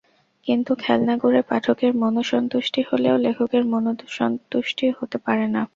কিন্তু খেলনা গড়ে পাঠকের মনস্তুষ্টি হলেও লেখকের মনস্তুষ্টি হতে পারে না।